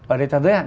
ở đây ta giới hạn